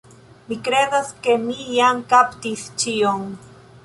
Mi kredas ke mi jam kaptis ĉion.